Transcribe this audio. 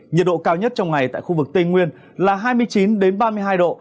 nhiệt độ cao nhất trong ngày tại khu vực tây nguyên là hai mươi chín ba mươi hai độ